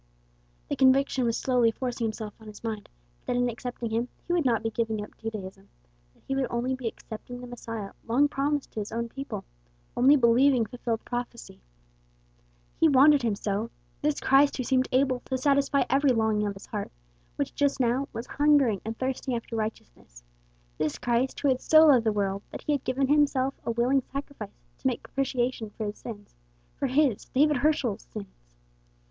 The conviction was slowly forcing itself on his mind that in accepting him he would not be giving up Judaism, that he would only be accepting the Messiah long promised to his own people only believing fulfilled prophecy. He wanted him so this Christ who seemed able to satisfy every longing of his heart, which just now was 'hungering and thirsting after righteousness;' this Christ who had so loved the world that he had given himself a willing sacrifice to make propitiation for its sins for his David Herschel's sins.